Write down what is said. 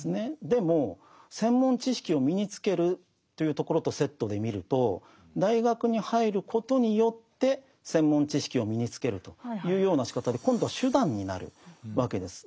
でも専門知識を身につけるというところとセットで見ると大学に入ることによって専門知識を身につけるというようなしかたで今度は手段になるわけです。